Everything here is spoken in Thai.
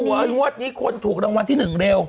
เรารู้ว่านี่คนถูกดังวัลที่หนึ่งเร็ว